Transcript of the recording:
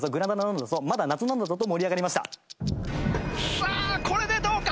さあこれでどうか？